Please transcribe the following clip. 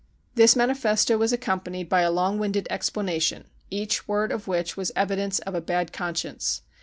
This manifesto was accompanied by a long winded explanation each word of which was evidence of a bad conscience.